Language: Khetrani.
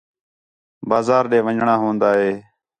بازار ݙے ون٘ڄݨاں ہون٘دا ہے